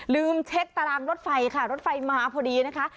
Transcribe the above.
ลืมเช็คตารางรถไฟค่ะรถไฟมาพอดีนะคะ